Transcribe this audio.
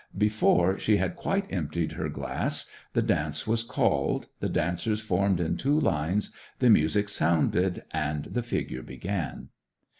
Before she had quite emptied her glass the dance was called, the dancers formed in two lines, the music sounded, and the figure began.